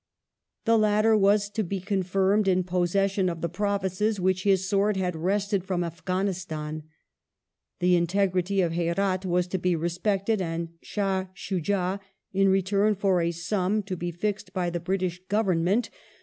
The latter was to be confirmed in possession of the provinces, which his sword had wrested from Afghanistan ; the integrity of Herdt was to be respected, and Shdh Shujd, in return for a sum to be fixed by the British Government, 1856] THE AFGHAN QUESTION .